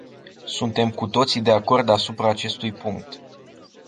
Suntem cu toții de acord asupra acestui punct.